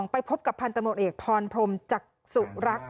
ไปพบกับพันธมตเอกพรพรมจักษุรักษ